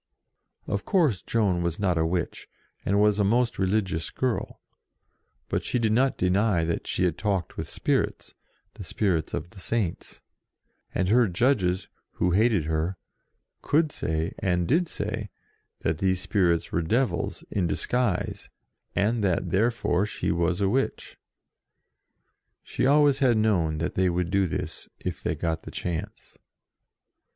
Of course Joan was not a witch, and was a most religious girl, but she did not deny that she had talked with spirits, the spirits of the Saints ; and her judges, who hated her, could say, and did say, that these spirits were devils, in disguise, and that therefore she was a witch. She always had known that they would do this, if they got the chance.